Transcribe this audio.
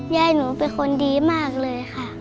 ยายหนูเป็นคนดีมากเลยค่ะ